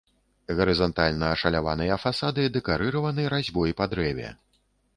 Гарызантальна ашаляваныя фасады дэкарыраваны разьбой па дрэве.